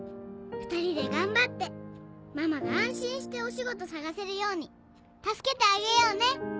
２人で頑張ってママが安心してお仕事探せるように助けてあげようね！